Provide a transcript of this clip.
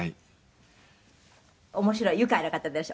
「面白い愉快な方です。